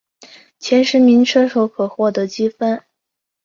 前十名车手可获得积分。